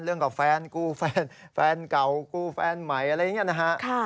กับแฟนกูแฟนแฟนเก่ากูแฟนใหม่อะไรอย่างนี้นะฮะ